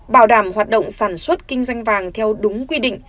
bảo đảm hoạt động sản xuất kinh doanh vàng theo đúng quy định